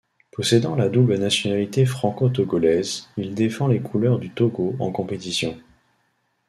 Possédant la double nationalité franco-togolaise, il défend les couleurs du Togo en compétition.